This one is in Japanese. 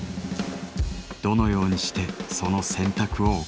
どのようにしてその「選択」を行うのか。